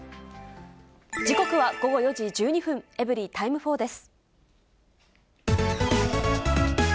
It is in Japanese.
時刻は午後４時１２分、エブリィタイム４です。